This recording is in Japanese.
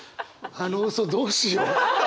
あの嘘どうしよう。